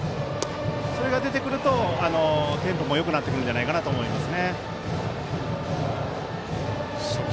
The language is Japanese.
それが出てくると、テンポもよくなってくるんじゃないかと思います。